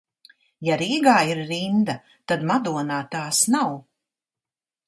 Ja Rīgā ir rinda, tad Madonā tās nav!